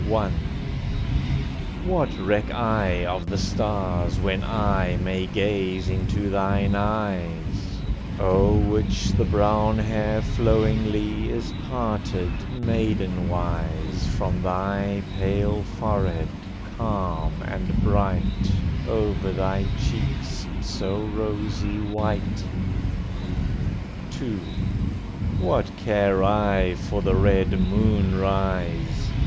SONG. I. What reck I of the stars, when I May gaze into thine eyes, O'er which the brown hair flowingly Is parted maidenwise From thy pale forehead, calm and bright, Over thy cheeks so rosy white? II. What care I for the red moon rise?